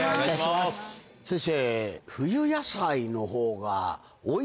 先生。